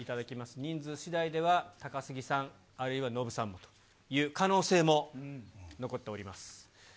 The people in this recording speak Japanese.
人数しだいでは、高杉さん、あるいはノブさんもという可能性も残っております。